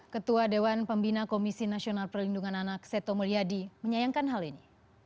ketua dewan pembina komisi nasional perlindungan anak seto mulyadi menyayangkan hal ini